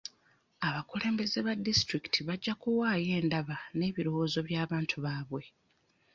Abakulembeze ba disitulikiti bajja kuwaayo endaba n'ebirowoozo by'abantu baabwe.